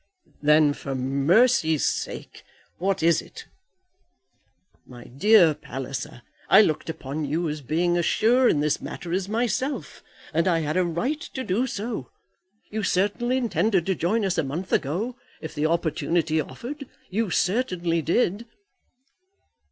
"Then, for mercy's sake, what is it? My dear Palliser, I looked upon you as being as sure in this matter as myself; and I had a right to do so. You certainly intended to join us a month ago, if the opportunity offered. You certainly did."